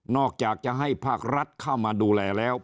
อกจากจะให้ภาครัฐเข้ามาดูแลแล้ว